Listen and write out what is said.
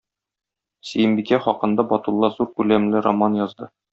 Сөембикә хакында Батулла зур күләмле роман язды.